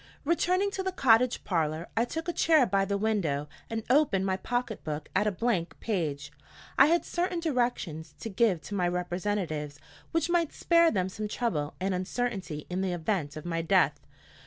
RETURNING to the cottage parlor, I took a chair by the window and opened my pocket book at a blank page. I had certain directions to give to my representatives, which might spare them some trouble and uncertainty in the event of my death.